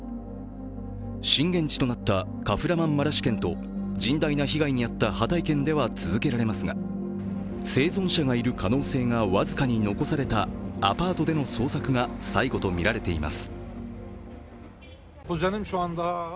震源地となったカフラマンマラシュ県と、甚大な被害に遭ったハタイ県では続けられますが生存者がいる可能性が僅かに残されたアパートでの捜索が最後とみられます。